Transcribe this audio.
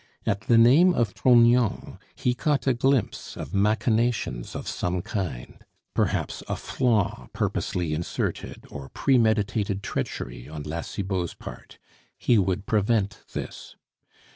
At the name of Trognon he caught a glimpse of machinations of some kind; perhaps a flaw purposely inserted, or premeditated treachery on La Cibot's part. He would prevent this.